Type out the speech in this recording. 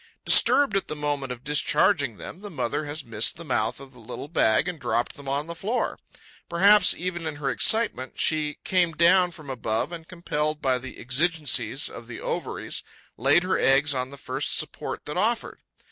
Disturbed at the moment of discharging them, the mother has missed the mouth of the little bag and dropped them on the floor. Perhaps even, in her excitement, she came down from above and, compelled by the exigencies of the ovaries, laid her eggs on the first support that offered.